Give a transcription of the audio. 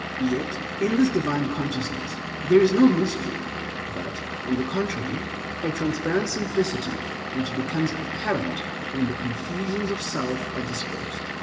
Yet, in this divine consciousness there is no mystery, but, on the contrary, a transparent simplicity which becomes apparent when the confusions of self are dispersed.